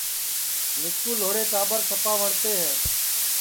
مِسکُو لھوڑے ٹاٻر سپا وٹؔتے ہے